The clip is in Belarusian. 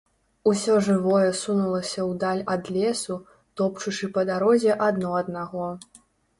Усё жывое сунулася ў даль ад лесу, топчучы па дарозе адно аднаго.